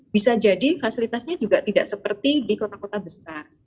bisa jadi fasilitasnya juga tidak seperti di kota kota besar